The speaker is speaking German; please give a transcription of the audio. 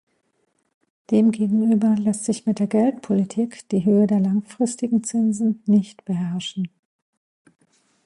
Demgegenüber lässt sich mit der Geldpolitik die Höhe der langfristigen Zinsen nicht beherrschen.